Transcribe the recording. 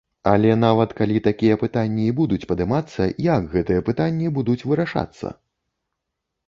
Але, нават, калі такія пытанні і будуць падымацца, як гэтыя пытанні будуць вырашацца?